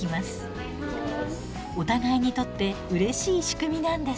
お互いにとってうれしい仕組みなんです。